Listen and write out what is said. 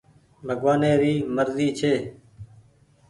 ڀگوآني ري مرزي ڇي